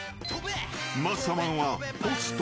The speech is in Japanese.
［マッサマンはポスト。